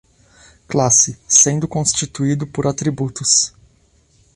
classe, sendo constituído por atributos